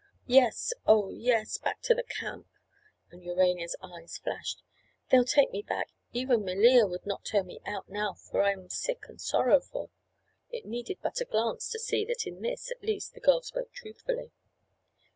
"Yes, oh, yes, back to the camp!" and Urania's eyes flashed. "They'll take me back. Even Melea would not turn me out now for I am sick and sorrowful." It needed but a glance to see that in this, at least, the girl spoke truthfully.